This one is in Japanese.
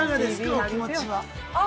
お気持ちは。